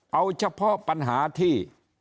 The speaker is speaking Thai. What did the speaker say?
เอาเฉพาะปัญหาที่